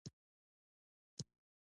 وزمړه سوه.